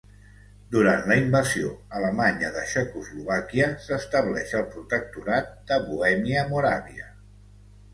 Durant la invasió alemanya de Txecoslovàquia, s'estableix el protectorat de Bohèmia-Moràvia.